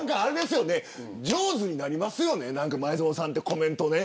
上手になりますよね前園さんってコメントね。